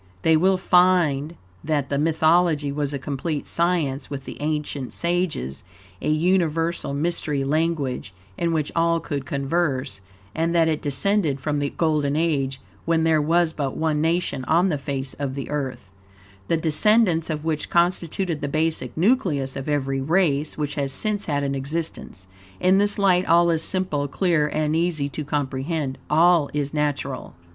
They will find that this mythology was a complete science with the ancient sages, a UNIVERSAL MYSTERY LANGUAGE, in which all could converse, and that it descended from the Golden Age, when there was but ONE nation on the face of the Earth, the descendants of which constituted the basic nucleus of every race which has since had an existence. In this light all is simple, clear, and easy to comprehend all is natural.